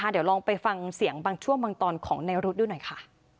เดี๋ยวลองไปฟังเสียงบางช่วงบางตอนของในรุ๊ดดูหน่อยค่ะ